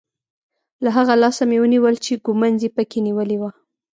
له هغه لاسه مې ونیول چې ږومنځ یې په کې نیولی وو.